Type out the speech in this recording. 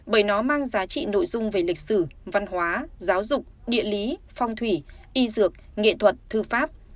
bởi nó mang giá trị nội dung về lịch sử văn hóa giáo dục địa lý phong thủy y dược nghệ thuật thư pháp